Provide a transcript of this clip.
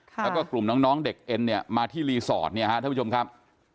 แล้วก็กลุ่มน้องเด็กเอ็นเนี่ยมาที่รีสอร์ทเนี่ยฮะท่านผู้ชมครับ